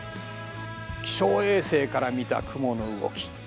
気象衛星から見た雲の動き。